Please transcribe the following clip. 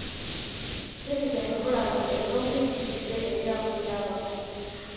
Sindika empapula zo ez'obuyigirize eri akulira abakozi.